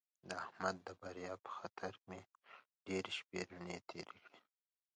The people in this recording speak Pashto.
د احمد د بریا په خطر مې ډېرې شپې رڼې تېرې کړې.